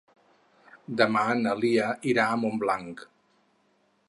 Demà na Lia irà a Montblanc.